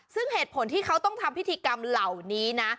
ซึ่งเหตุผลที่เขาต้องทำพิธีกรรมเหล่านี้นะ